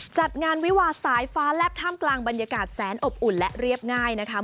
จัดงานวิวาสายฟ้าแลบท่ามกลางบรรยากาศแสนอบอุ่นและเรียบง่ายนะคะ